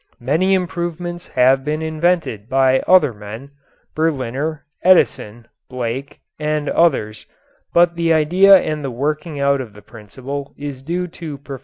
Many improvements have been invented by other men Berliner, Edison, Blake, and others but the idea and the working out of the principle is due to Professor Bell.